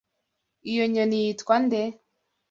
Iyo nyoni yitwa nde?